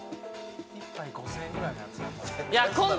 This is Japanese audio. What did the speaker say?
１杯５０００円ぐらいのやつありますもんね。